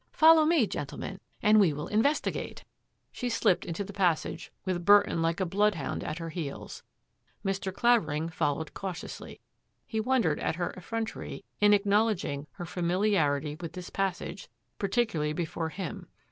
Follow me, gentlemen, and we will investigate !'* She slipped into the passage, with Burton like a bloodhound at her heels. Mr. Clavering followed cautiously. He wondered at her effrontery in ac knowledging her familiarity with this passage, particularly before him.